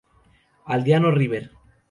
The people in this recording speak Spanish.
Aldeano River".